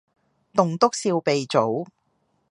棟篤笑鼻祖